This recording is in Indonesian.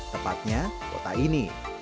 tepatnya kota ini